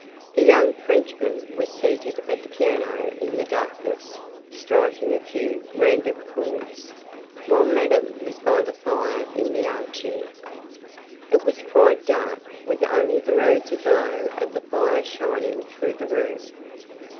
The young Frenchman was seated at the piano in the darkness, striking a few random chords, while Madame was by the fire in the arm chair. It was quite dark, with only the rosy glow of the fire shining through the room.